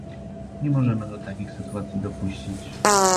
Nie możemy do takich sytuacji dopuścić